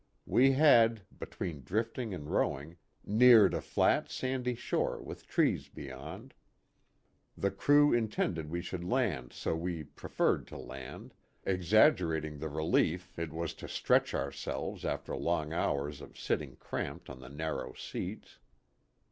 We had, between drifting and rowing, neared a flat, sandy shore with trees beyond. The crew intended we should land so we " preferred" to land exaggerating the relief it was to stretch ourselves after long hours of sitting cramped on the narrow seats.